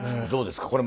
どうですか